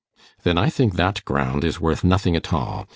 'Then I think that ground is worth nothing at all.